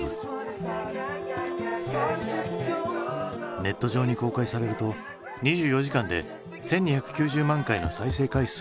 ネット上に公開されると２４時間で１，２９０万回の再生回数を記録。